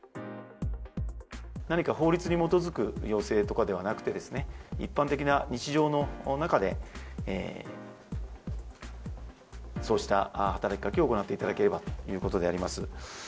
何か法律に基づく要請とかではなくてですね、一般的な日常の中で、そうした働きかけを行っていただければということであります。